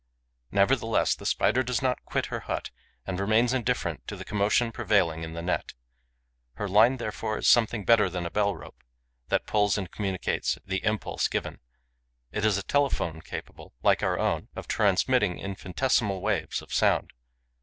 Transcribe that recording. Nevertheless, the Spider does not quit her hut and remains indifferent to the commotion prevailing in the net. Her line, therefore, is something better than a bell rope that pulls and communicates the impulse given: it is a telephone capable, like our own, of transmitting infinitesimal waves of sound.